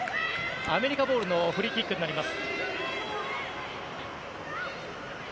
アメリカボールのフリーキックになります。